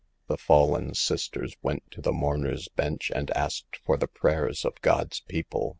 The fallen sisters went to the mourner's bench, and asked for the prayers of God's people.